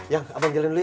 yang abang jalin dulu ya